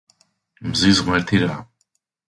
მზის ღმერთი რა.